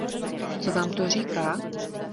Co vám to říká?